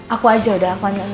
aku aja udah aku nanya